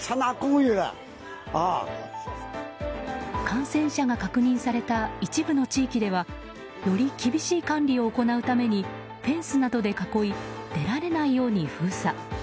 感染者が確認された一部の地域ではより厳しい管理を行うためにフェンスなどで囲い出られないように封鎖。